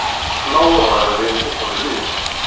Nuweḍ ɣer din uqbel-is.